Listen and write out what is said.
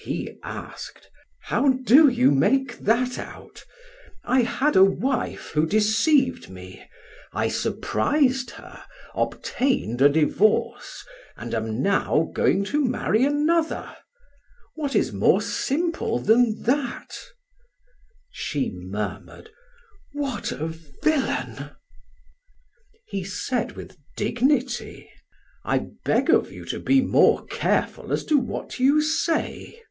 He asked: "How do you make that out? I had a wife who deceived me; I surprised her, obtained a divorce, and am now going to marry another. What is more simple than that?" She murmured: "What a villain!" He said with dignity: "I beg of you to be more careful as to what you say."